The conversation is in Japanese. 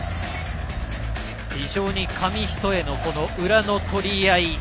非常に紙一重の裏の取り合い。